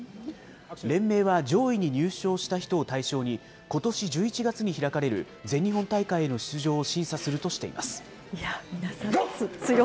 連盟は上位に入賞した人を対象にことし１１月に開かれる全日本大会への出場を審査するとしています。